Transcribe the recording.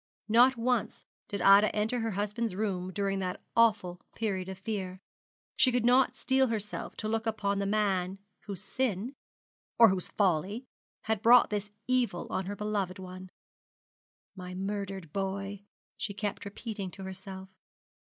Not once did Ida enter her husband's room during that awful period of fear. She could not steel herself to look upon the man whose sin, or whose folly, had brought this evil on her beloved one. 'My murdered boy,' she kept repeating to herself.